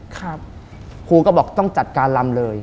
ครูก็บอกต้องจัดการลำเลย